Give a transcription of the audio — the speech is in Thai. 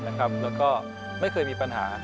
แล้วก็ไม่เคยมีปัญหา